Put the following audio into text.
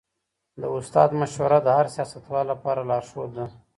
د استاد مشوره د هر سياستوال لپاره لارښود ده.